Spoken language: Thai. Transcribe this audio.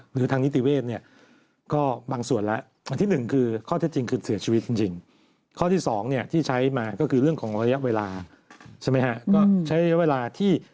หรือทางนิติเวทย์ก็บางส่วนและ